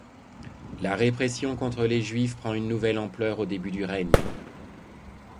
La répression contre les Juifs prend une nouvelle ampleur au début du règne.